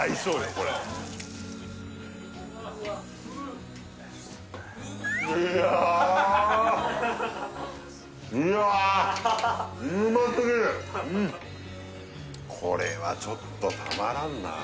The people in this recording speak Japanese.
これいやこれはちょっとたまらんな